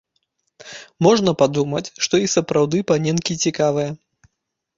Можна падумаць, што і сапраўды паненкі цікавыя.